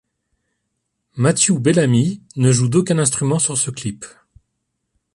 Matthew Bellamy ne joue d'aucun instrument sur ce clip.